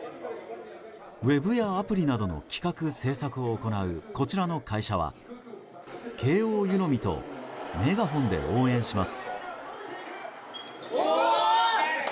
ウェブやアプリなどの企画・制作を行うこちらの会社は、慶応湯飲みとメガホンで応援します。